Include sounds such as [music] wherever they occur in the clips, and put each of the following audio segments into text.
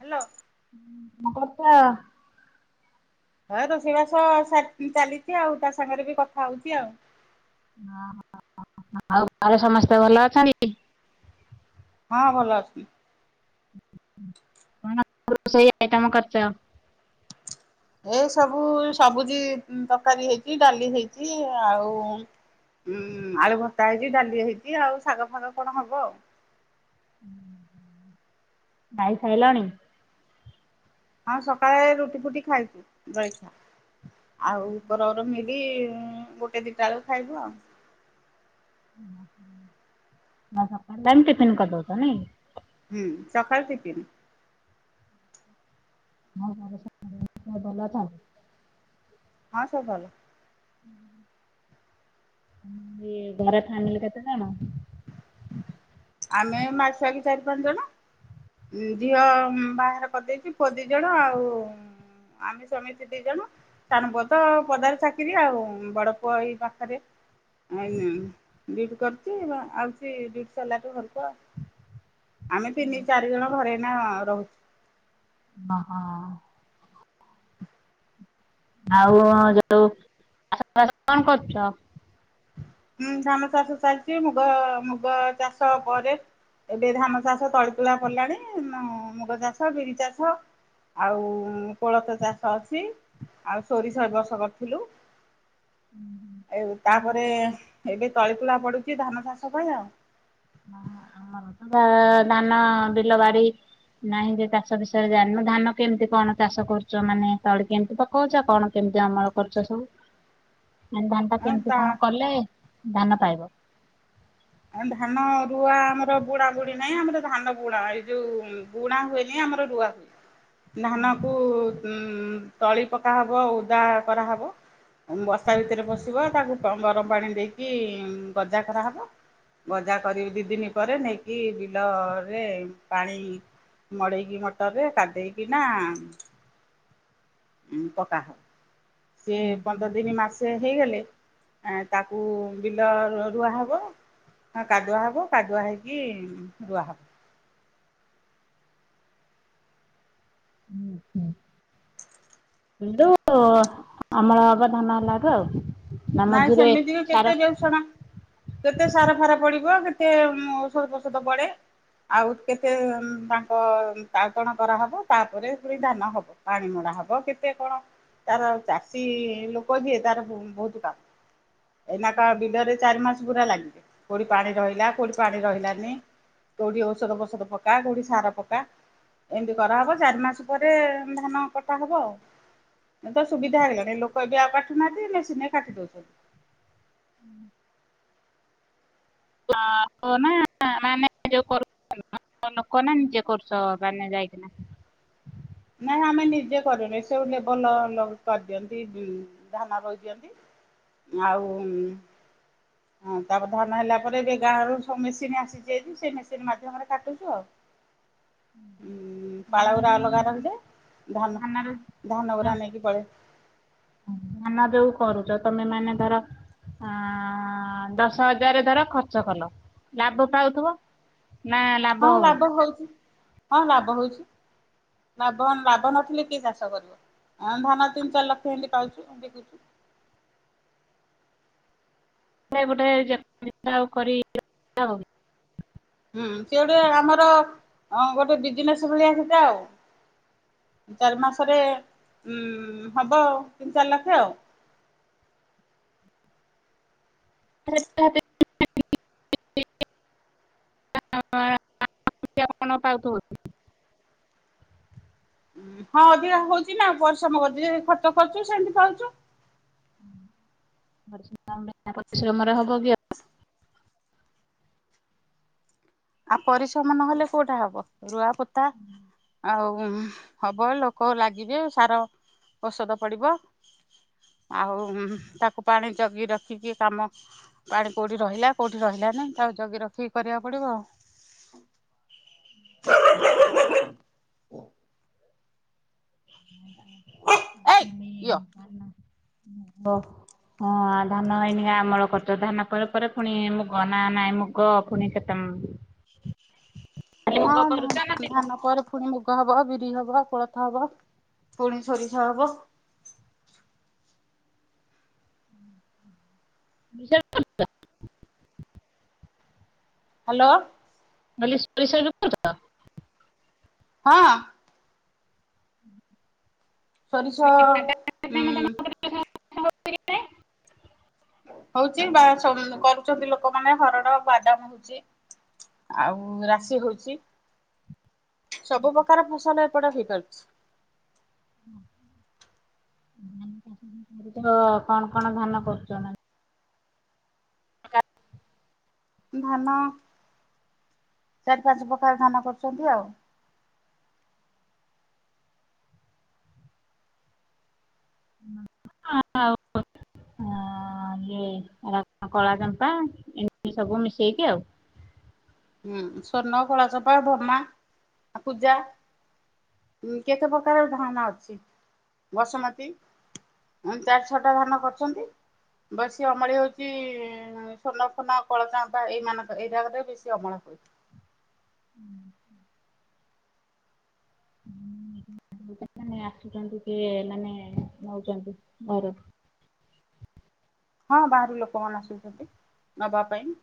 Hello କଣ କଥା ହଁ ରୋଷେଇବାସ ସାର ଚାଲିଚି ଆଉ ତା ସାଙ୍ଗରେ ବି କଥା ହଉଛି ଆଉ। ଓଃ ଆଉ ଘରେ ସମସ୍ତେ ଭଲ ଅଛନ୍ତି? ହ ଭଲ ଅଛିନ୍ତି। କଣ ରୋଷେଇ ଆଇଟମ କରିଛ? ଏ ସବୁ ସବୁଜି ତରକାରୀ ହେଇଛି ଡାଲି ହେଇଛି ଆଉ ହୁଁ ଆଳୁ ଭର୍ତ୍ତା ହେଇଛି ଡାଲି ହେଇଛି ଆଉ ଶାଗ ଫାଗ କଣ ହବ ଆଉ। ଖାଇ ସାରିଲଣି? ହଁ ସକାଳେ ରୁଟି ଫୁଟି ଖାଇଛୁ ଜଳଖିଆ ଆଉ ଉପରର ମି ଲି ଗୋଟେ ଦିଟା ବେଳୁ ଖାଇବୁ ଆଉ। ଆଉ ସକାଳୁ ଟାଇମ୍ ଟିଫିିନ କରିଦଉଛ ନାଇଁ। ହୁଁ ସକାଳୁ ଟିଫିନ। [unintelligible] ଭଲ ଅଛନ୍। ହଁ ସବୁ ଭଲ। ଇଏ ଘରେ ଫାଂମିଲି କେତେ ଜଣ? ଆମେ ମା ଛୁଆକି ଚାରି ପାଞ୍ଚ ଜଣ। ଝିଅ ବାହାଘର କରିଦେଇଛି ପୁଅ ଦି ଜଣ ଆଉ ଆମେ ସ୍ୱାମୀ ସ୍ତ୍ରୀ ଦି ଜଣ। ସାନ ପୁଅ ତ ପଦାରେ ଚାକିରି ଆଉ ବଡ ପୁଅ ଏଇ ପାଖରେ। ଅ ଇ ନି ଡିଉଟି କରିୁଛି ବା ଆଉଛି ଡିଉଟି ସରିଲା ଠୁ ଘରକୁ ଆ ଆମେ ତିନି ଚାରି ଜଣ ଘରେଏଇନା ରହୁ ମା ହଁ। ଆଉ ଯୋଉ [unintelligible] କଣ କରୁଛ? ହୁଁ ଧାନ ଚାଷ ଚାଲିଛି ମୁଗ ମୁଗ ଚାଷ ପରେ। ଏବେ ଧାନ ଚାଷ ତଳି ତୁଳା ପଡ଼ିଲାଣି ମୁ‌ ମୁଗ ଚାଷ ବିରି ଚାଷ ଆଉ କୋଳଥ ଚାଷ ଅଛି ଆଉ ସୋରିଷ ଏ ବର୍ଷ କରିଥିଲୁ। ଆଉ ଆମର ତାପରେ ତ ତଳି ତୁଳା ପଡୁଛି ଧାନ ଚାଷ ପାଇଁ ଆଉ। [unintelligible] ଧାନ ବିଲବାରି ନାଇଁ ଯେ ଚାଷ ବିଷୟରେ ଜାଣିନୁ ଧାନ କେମିତି କଣ ଚାଷ କରୁଛ ମାନେ ତଳି କେମିତି ପକାଉଛ କଣ କେ ଯେ ଅମଳ କରୁଛ ସବୁ। ଧାନ ଧାନ ଟା ଆଉ କେମିତି ତା କଣ କଲେ ଧାନ ପାଇବ? ଆଉ ଧାନ ରୁଆ ଆମର ବୁଡା ବୁଡି ନାହିଁ ଆମର ଧାନ ବୁଣା ଏଇ ଯୋଉ ବୁଣା ହୁଏନି ଆ ଆମର ରୁଆ ହୁଏ ଧାନ କୁ ଉଁ ତଳି ପକା ହବ ଓଦା କରାହବ। ବସ୍ତା ଭିତରେ ପଶିବ ତାକୁ ଗରମ ପାଣି ଦେଇକି ଗଜା କରାହବ। ଗଜା କରି ଦିଦିନ ପରେ ନେଇକି ବିଲରେ ପାଣି ମଡେଇକି ମଟରେ ରେ କାଧେଇକି ନା ଉଁ ପକା ହ ସିଏ ପନ୍ଦର ଦିନ ମାସେ ହେଇଗଲେ ଆ ତାକୁ ବିଲ ରୁ ରୁଆ ହବ। ହଁ କାଦୁଆ ହବ କାଦୁଆ ହେଇକି ରୁଆ ହବ। ହୁଁ, ହୁଁ। କିନ୍ତୁ ଆମର ଏବେ ଧାନ ହେଲା ତ ନାଇଁ ସେମିତି ବି କେତେ ବେଉସଣ କେତେ ସାର ଫାର ପଡିବ କେ ତେ ଔଷଧ ଫୌଷଧ ପଡେ। ଆଉ କେତେ ତାଙ୍କ ତାଦଣ କରାହବ ତାପରେ ପୁଣି ଧାନ ହବ ପାଣି ମଡା ଡାହବ କେତେ କଣ ତାର ଚାଷୀ ଲୋକ ଯିଏ ତାର ବହୁତ କା ଏଇନା କ ବିଲରେ ଚାରି ମାସ ପୁରା ଲାଗିବେ କୋଉଠି ପାଣି ରହିଲା କୋଉଠି ପାଣି ରହିଲାନି। କୋଉଠି ଔଷଧ ପୋଷଧ ପକା କୋଉଠି ସାର ପକା ଏମିତି କରାହବ ଚାରି ମାସ ପରେ ଧାନ କଟା ହବ ଆଉ। ଏ ତ ସୁବିଧାଇଗଲାଣି ଲୋକ ଏବେ ଆଉ କାଟୁହାନ୍ତି ମେସିନ୍ ରେ କାଟି ଦଉଛନ୍ତି। ହଁ ହନା ନା [unintelligible] ଯଉ କର ଲୋକ ନା ନିଜେ କରୁଛ ମାନେ ଯାଇକିନା। ନାଇଁ ଆମେ ନିଜେ କରୁନୁ ଏସବୁ ଲେବର ଲୋ ଲୋକ କରିଦିଅନ୍ତି ଧାନ ରୋଇ ଦିଅନ୍ତି। ଆଉ ହଁ ତାପରେ ଧାନ ହେଲା ପରେ ଏବେ ଗାଁ ରୁ ସବୁ ମେସିନ ଆସିଛି ଭାରି ସେ ମେସିନ ମାଧ୍ୟମରେ କାଟୁଛୁ ଆଉ। [unintelligible] ଉଁ ପାଳଗୁରା ଅଲଗା ରହିଯାଏ। ଧାନ ନାନରେ ଧାନ ଯୋଉ ଗୁରା ନେଇକି ପଳେଇ ଧାନ ଯୋଉ ଯୁ କରୁଛ ତମେ ମାନେ ଧର। ଆଁ ଦଶ ହଜାର ଧର ଖର୍ଚ୍ଚ କଲ ଲାଭ ପାଉଥୁବ? ହଁ ଲାଭ ହଉଚି ହଁ ଲାଭ ହଉଚି। ମାବନ୍ ଲାଭ ନଥିଲେ କି ଚାଷ କରିବ। ଅଁ ଧାନ ତିନି ଚାରି ଲକ୍ଷ୍ୟ ଏମିତି ପାଉଛି ବିକିକି। [inaudible] ନାଇଁ ଗୋଟେ ଯେମିତି ଆଉ କରି [unintelligible] ହୁଁ ସିଉଡେ ଆମର ଅଁ ଗୋଟେ ବିଜିନେସ୍ ଭଳିଆସେଟା ଆଓ। ଚାରି ମାସରେ ଉଁ ହବ ତିନ୍ ଚାରି ଲକ୍ଷ ଆଉ। [unintelligible] [unintelligible] ଉଂହ୍ ହଁ ଅଧିକା ହଉଚି ନା ପରିଶମ କର୍ଚି ଯେ ଖର୍ଚ୍ଚ କରଚୁ ସେମତି ପାଉଚୁ। [inaudible] [unintelligible] ପରିଶ୍ରମରେ ହବକି ଆଉ ଆ ପରିଶମ ନହେଲେ କୋଉଟା ହବ ରୁଆ ପୋତା ଆଉ ଅଁହ ହବଲ୍ ଲୋକ ଲାଗିବେ ସାର ଓଷଦ ପଡ଼ିବ। ଆଉ ଉଁହ୍ ତାକୁ ପାଣି ଜଗି ରଖିକି କାମ ପାଣି କଉଠି ରହିଲା କଉଠି ରହିଲା ତାଉ ଜଗି ରଖି କରିବାକୁ ପଡିବ ଆଉ। [unintelligible] [inaudible] ଏଇ ୟ [unintelligible] ହଁଆ ଧାନ ଏନିଗା ଆମଳ କରଚ ଧାନ ପରେ ଫରେ ଫୁଣୀ ମୁଗ ନା ନାଇଁ ମୁଗ ଫୁଣି କେତେ [inaudible] ହଁ ମୁଗ କରୁଛ ନା ଧା-ଧାନ ପରେ ପୁଣି ମୁଗ ହବ ବିରି ହବ କୋଳଥ ହବ ପୁଣି ସୋରିଷ ହବ। [unintelligible] ହେଲୋ। [unintelligible] ହଁ। ସରିଷଅ ଉଁ ହୋଉଚି ବା ଛମ୍ କରୁଛନ୍ତି ଲୋକମାନେ ହରଡ ବାଦାମ ହୋଉଚି। ଆଉ ରାଶି ହୋଉଚି ସବୁ ପକାର ଫସଲ ଏପଟେ ହେଇ ପାରୁଛି। [inaudible] ଅ କଣ କଣ ଧାନ କରୁଚ ଏ ମା ଧାନ ଚାର୍ ପାଞ୍ଚ ପକାର ଧାନ କରୁଚନ୍ତି ଆଉ। [unintelligible] ଆଁ ଇଏ ଏରା କଳା ଚମ୍ପା [unintelligible] ସବୁ ମିଶେଇକି ଆଉ। ହୁଁ ସ୍ଵର୍ଣ୍ଣ, କଳାଚମ୍ପା, ଭମା ଆଉ ପୂଜା। ଉଁ କେତେ ପକାରେ ଧାନ ଅଛି ବସୁମତୀ। ଉଁ ଚାରି ଛଅଟା ଧାନ କରଚନ୍ତି। ବେଶି ଅମଳି ହେଉଚି ଶ୍ୱନ୍ନ ଫୋର୍ନ କଳା ଚମ୍ପା ଏଇମାନଙ୍କ ଏଇଟା ଗୋଟେ ବେ ସି ଅମଳ ହୁଏ। ଉଁ ହୁଁ। ଉଁ। [unintelligible] ଆସୁଚନ୍ତି କିଏ ମାନେ ନୋଉଚନ୍ତି ଘରୁ ହଁ ବାହାରୁ ଲୋକମାନେ ଆସୁଚନ୍ତି ନବା ପାଇଁ।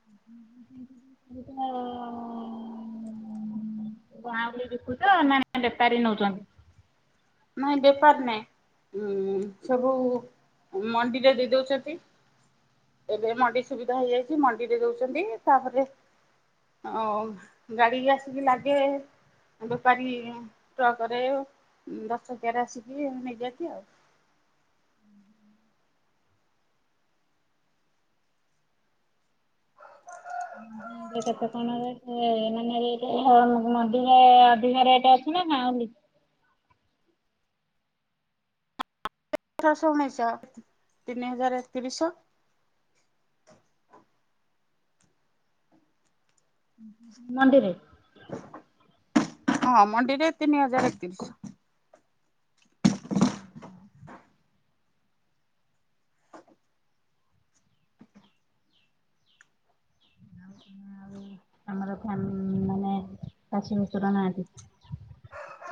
[unintelligible] [unintelligible] ଗାଉଁଲି ରେ ବିକୁଚ ନା ବେପାରୀ ନୋଉଚନ୍ତି? ନାଇଁ ବେପାର ନାହିଁ। ହୁଁ ସବୁ ମଣ୍ଡିରେ ଦେଇ ଦଉଛନ୍ତି। ଏବେ ମଣ୍ଡି ସୁବିଧା ହେଇଯାଇଛି ମଣ୍ଡିରେ ଦଉଛନ୍ତି ତାପରେ ଓ ଗାଡିିକି ଆସିକି ଲାଗେ। ବେପାରୀ ଟ୍ରକରେ। ଦଶଚକିଆରେ ଆସିକି ନେଇଯାନ୍ତି ଆଉ। ରେ କେତେ କଣ ରେ ଏ ମାନେ ମଣ୍ଡିରେ ଅଧିକ ରେଟ ଅଛି ନା। ଅଛି ଗାଉଲି। ଅଠରଶହ ଉଣେଇଶ ତିନି ହଜାର ଏକତିରିଶଶହ। ମଣ୍ଡିରେ। ହଁ ମଣ୍ଡିରେ ତିନି ହଜାର ଏକତିରିଶ। ଆଉ ଆମର ଧାନ୍ ମାନେ ଚାଷୀ ପ୍ରଚୁର ନାହାନ୍ତି।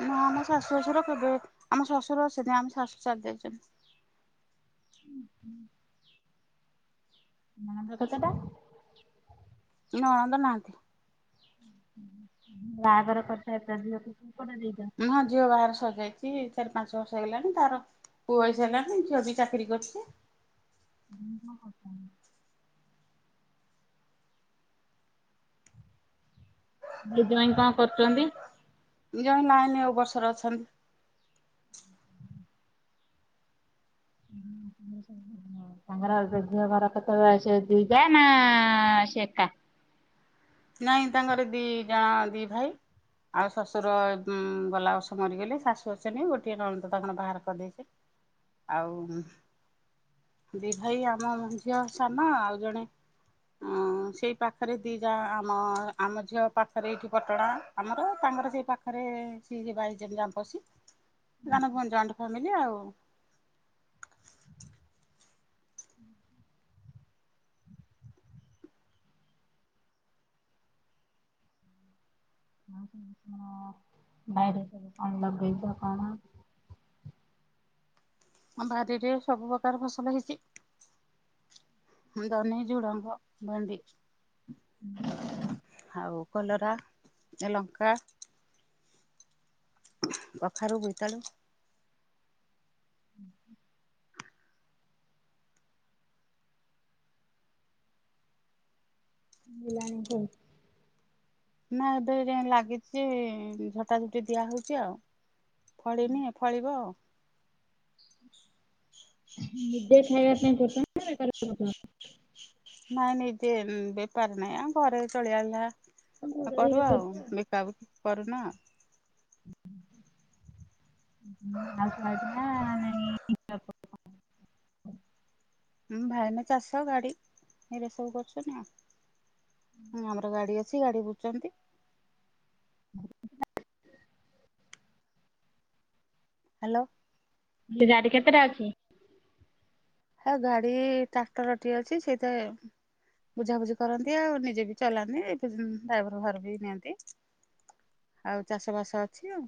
ନା ଆମ ଶାଶୁ ଶ୍ୱଶୁର କେବେ ଆମ ଶ୍ୱଶୁର ଅଛନ୍ତି ଆମ ଶାଶୁ ଚାଲି ଯାଇଛନ୍ତି। ନଣନ୍ଦ କେତେଟା? ନଣନ୍ଦ ନାହାଁନ୍ତି। ବାହାଘର କରି ସାରିଛନ୍ତି ଯେତିକି ମୋ ଝିଅ ବାହାଘର ସରି ଯାଇଛି। ଚାରି ପାଞ୍ଚ ବର୍ଷ ହେଲାଣି ତାର ପୁଅ ହୋଇସାରିଲାଣି ଝିଅ ବି ଚାକିରୀ କରିଛି। ମୋର ହବନି। ଝିଅ ଜ୍ୱାଇଁ କଣ କରୁଛନ୍ତି? ଜଣେ ଲାଇନ୍ ଓଭର୍ଷର ଅଛନ୍ତି। ହୁଁ। ତାଙ୍କର ଆଉ ଘର [unintelligible] ଦି ଯା ନା ସେ ଏକା। ନାଇଁ ତାଙ୍କର ଦି ଯା ଦି ଭାଇ। ଆଉ ଶ୍ୱଶୁର ଅ ଗଲା ବର୍ଷ ମରିଗଲେ ଶାଶୁ ଆସେନି ଆଉ ଗୋଟିଏ ନଣନ୍ଦ ତାଙ୍କର ବାହାଘର କରିଦେଇଛି। ଆଉ ଦି ଭାଇ ଆମ ଝିଅ ସାନ ଆଉ ଜଣେ ହଁ ସେଇ ପାଖରେ ଦି ଯା। ହଁ ଆମ ଝିଅ ପାଖରେ ଏଇଠି ପଟଣା ଆମର ତାଙ୍କର ସେଇ ପାଖରେ ସେଇ ବାଲି ଜେମିନା। ଅଛି ନା ନା ଜଏଣ୍ଟ ଫ୍ୟାମିଲି ଆଉ। ବାଇରେ ସବୁ କଣ ଲଗେଇଛ କଣ? ଆମ ବାରିରେ ସବୁ ପ୍ରକାର ଫସଲ ହେଇଛି। ଜହ୍ନି ଝୁଡଙ୍ଗ ଭେଣ୍ଡି। ଆଉ କଲରା ଲଙ୍କା। କଖାରୁ ବୋଇତାଳୁ ହେଲାଣି ଯେ ନା ଏବେ ଯାଏ ଲାଗିଚି ଉଁ ଝଟାଝଟି ଦିଆ ହଉଚି ଆଉ। ଫଳିନି, ଏ ଫଳିବ। ହ ନା ଦୋକାନ ନା ବେପାର କରୁ [inaudible] ନାଇଁ ନିଜେ ଉଁ, ବେପାର ନାଇଁ ଆମ ଘରେ ଚଳିବା ବି ଖା ଦୂର ଅଁ, ହେଇକି କରୁ କରିଛ ଆଉ ବିକା ବୁକି କରୁନା। [unintelligible] ମୁଁ ହାଉସ ୱାଇଫ୍ ନା ନାହିଁ [inaudible] ହଁ। ଉଁ, ଭାଇନା ଚାଷ, ଗାଡି ଏଇରା ସବୁ କରୁଛନ୍ତି ଆଉ। ହଁ ଆମର ଗାଡି ଅଛି। ଗାଡି ବୁଝୁଚନ୍ତି। ହାଲୋ। ତ ଗାଡି କେତେଟା ଅଛି? ହେ ଗାଡି ଟ୍ରାକ୍ଟର୍ ଟିଏ ଅଛି। ସେଇତାଏ ବୁଝାାବୁଝି କରନ୍ତି ଆଉ ନିଜେ ବି ଚଲାନ୍ତି ଏ ଫିଜି ଉଁ, ଡ୍ରାଇଭର୍ ଘର ବି ନିଅନ୍ତି। ଆଉ ଚାଷ ବାସ ଅଛି ଆଉ।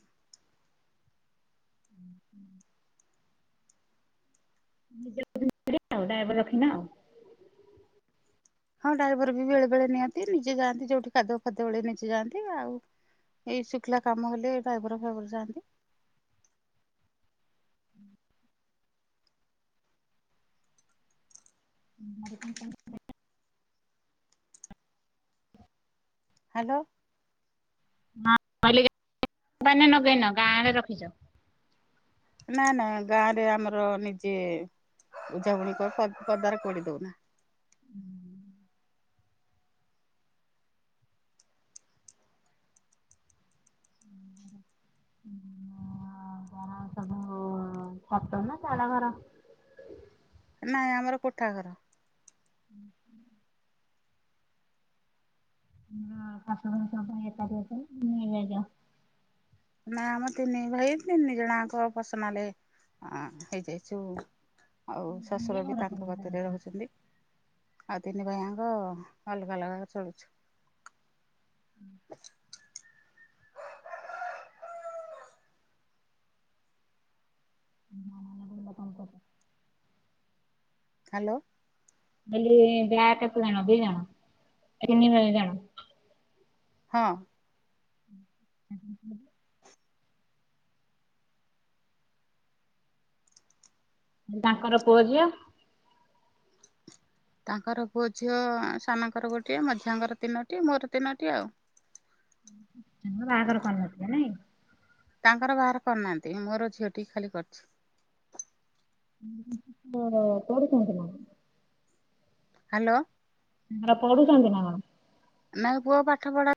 [inaudible] ଆଉ ଡ୍ରାଇଭର୍ ରଖିନ ଆଉ। ହଁ ଡ୍ରାଇଭର ବି ବେଳେ ବେଳେ ନିଅନ୍ତି ନିଜେ ଯାଆନ୍ତି। ଯୋଉଠି କାଦୁଅ ଫାଦୁଅ ବେଳେ ନିଜେ ଯାଆନ୍ତି। ଆଉ ଏଇ ଶୁଖିଲା କାମ ହେଲେ ଡ୍ରାଇଭର୍ ଫାଇଭର ଯାଆନ୍ତି। [inaudible] [inaudible] ହାଲୋ। [inaudible] ନଗେଇନ ଗାଁ ରେ ରଖିଛ। ନା ନା ଗାଁ ରେ ଆମର ନିଜେ ଉଝାଉଣିକ ପ ପଦାରେ ପୋଡି ଦଉନା। [unintelligible] [unintelligible] ହଁ ତୋମର ସବୁ ଛାତ ନା ଚାଳ ଘର? ନାଇଁ ଆମର କୋଠା ଘର। [unintelligible] ହଁ ଶାଶୁ ଶଶୁର ସବୁ ଏକାଠି ଅଛନ୍ତି [unintelligible] ନା ଆମ ତିନି ଭାଇ ତିନି ଜଣାଙ୍କ ପସନାଲେ ଅଁ ହେଇଯାଇଛୁ। ଆଉ ନିଜେ ଶଶୁର ବି ଘର ତାଙ୍କ କରିକି କତିରେ ରହୁଛନ୍ତି। ଆଉ ତିନି ଭାଇ ଆଙ୍କ ଅଲଗା ଅଲଗା ଚଳୁଛୁ। ଆ୍ା ନା ନା [unintelligible] ହାଲୋ। [unintelligible] ଯା କେତେ ଜଣ ଦି ଜଣ? ତିନି ଭାଇ ଜଣ ହଁ। [unintelligible] ତାଙ୍କର ପୁଅ ଝିଅ? ତାଙ୍କର ପୁଅ ଝିଅ ସାନଙ୍କର ଗୋଟିଏ, ମଝିଆଙ୍କର ତିନୋଟି, ମୋର ତିନୋଟି ଆଉ। [unintelligible] ବାହାଘର କରନଥିବେ ନାଇଁ? ତାଙ୍କର ବାହାଘର କରିନାହାନ୍ତି। ମୋର ଝିଅଟି ଖାଲି କରିଛି। [unintelligible] ର କୋଉଠୁ କିଣିଥିଲ? ହାଲୋ। ସେଟା ପଢୁଛନ୍ତି ନା କଣ? ନାଇ ପୁଅ ପାଠ ପଢା